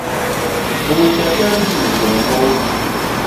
Nsun tata ndi’ nsun mon.